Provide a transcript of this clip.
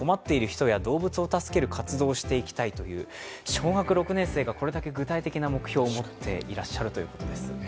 小学６年生が、これだけ具体的な目標を持っていらっしゃるということです。